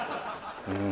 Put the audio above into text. うん。